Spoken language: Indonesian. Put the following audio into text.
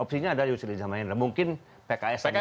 saya kira itu cerita yang lama ya